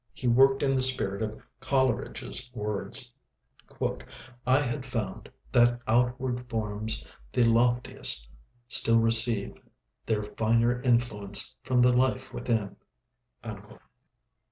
He worked in the spirit of Coleridge's words: "I had found That outward forms the loftiest, still receive Their finer influence from the Life within."